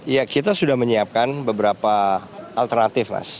ya kita sudah menyiapkan beberapa alternatif mas